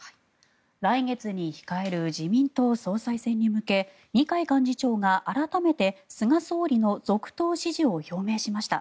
来月に控える自民党総裁選に向け二階幹事長が改めて菅総理の続投支持を表明しました。